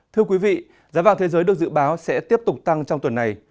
thưa quý vị giá vàng thế giới được dự báo sẽ tiếp tục tăng trong tuần này